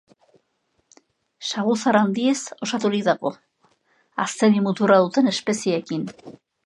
Saguzar handiez osaturik dago, azeri muturra duten espezieekin.